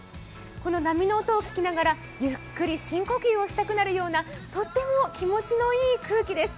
この波の音を聞きながらゆっくり深呼吸をしたくなるようなとっても気持ちのいい空気です。